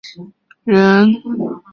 是宋朝人。